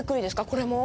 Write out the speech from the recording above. これも？